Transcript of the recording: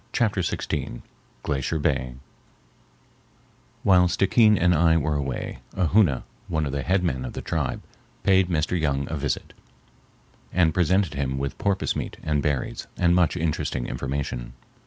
Chapter XVI Glacier Bay While Stickeen and I were away, a Hoona, one of the head men of the tribe, paid Mr. Young a visit, and presented him with porpoise meat and berries and much interesting information.